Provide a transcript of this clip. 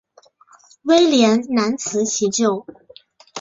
威廉难辞其咎。